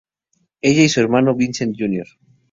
Ella y su hermano Vincent Jr.